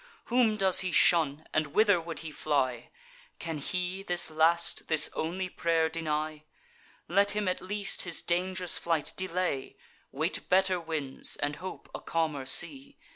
Whom does he shun, and whither would he fly! Can he this last, this only pray'r deny! Let him at least his dang'rous flight delay, Wait better winds, and hope a calmer sea.